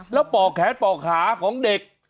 แล้วปอกแขนปอกขาของเด็ก